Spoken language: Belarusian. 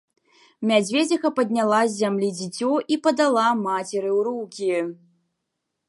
Мядзведзіха падняла з зямлі дзіцё і падала мацеры ў рукі.